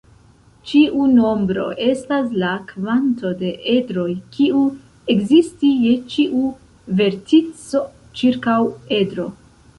Ĉiu nombro estas la kvanto de edroj kiu ekzisti je ĉiu vertico ĉirkaŭ edro.